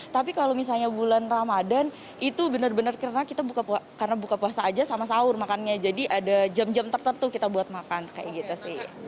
tapi kalau misalnya bulan ramadhan itu benar benar karena kita karena buka puasa aja sama sahur makannya jadi ada jam jam tertentu kita buat makan kayak gitu sih